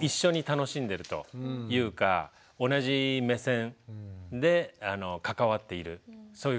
一緒に楽しんでるというか同じ目線で関わっているそういう感じがします。